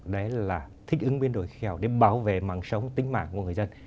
đấy là thích ứng biến đổi khí hậu để bảo vệ mạng sống tính mạng của người dân